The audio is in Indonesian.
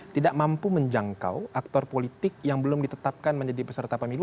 tidak mampu menjangkau aktor politik yang belum ditetapkan menjadi peserta pemilu